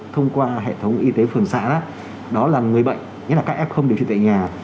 thông qua hệ thống y tế phường xã đó là người bệnh nhất là các f điều trị tại nhà